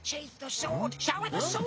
そう？